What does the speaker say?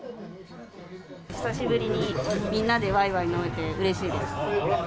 久しぶりにみんなでわいわい飲めてうれしいです。